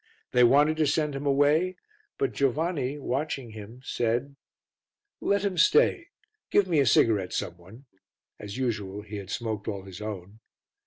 They wanted to send him away, but Giovanni, watching him, said "Let him stay. Give me a cigarette, some one" as usual he had smoked all his own.